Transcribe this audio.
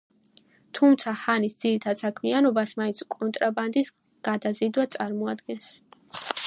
თუმცა ჰანის ძირითად საქმიანობას მაინც კონტრაბანდის გადაზიდვა წარმოადგენს.